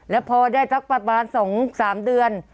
แล้วพอได้ทักประตานสองสามเดือน